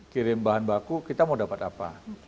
kirim bahan baku kita mau dapat apa